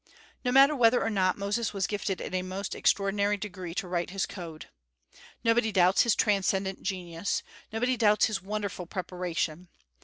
No matter whether or not Moses was gifted in a most extraordinary degree to write his code. Nobody doubts his transcendent genius; nobody doubts his wonderful preparation.